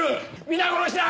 皆殺しだ！